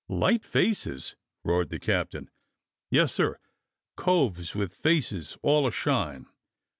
"Light faces.^ " roared the captain. "Yes, sir, coves with faces all a shine.